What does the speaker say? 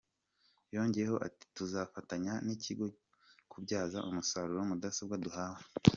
Yongeyeho ati “Tuzafatanya n’ikigo kubyaza umusaruro mudasobwa duhawe.